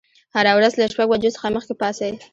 هره ورځ له شپږ بجو څخه مخکې پاڅئ.